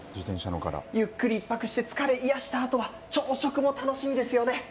ゆっくり１泊して、疲れ癒やしたあとは、朝食も楽しみですよね。